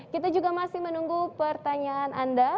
kita juga masih menunggu pertanyaan anda